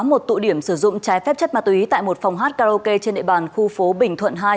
một tụ điểm sử dụng trái phép chất ma túy tại một phòng hát karaoke trên địa bàn khu phố bình thuận hai